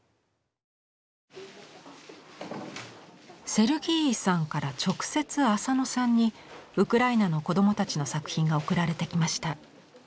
セルギーイさんから直接浅野さんにウクライナの子どもたちの作品が送られてきました。